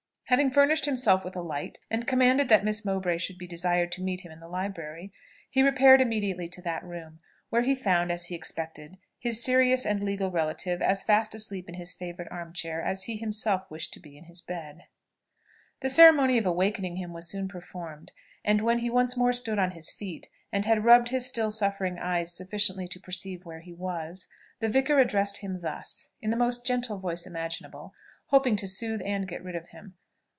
Having furnished himself with a light, and commanded that Miss Mowbray should be desired to meet him in the library, he repaired immediately to that room, where he found, as he expected, his serious and legal relative as fast asleep in his favourite arm chair, as he himself wished to be in his bed. The ceremony of awaking him was soon performed; and when he once more stood on his feet, and had rubbed his still suffering eyes sufficiently to perceive where he was, the vicar addressed him thus, in the most gentle voice imaginable, hoping to soothe and get rid of him.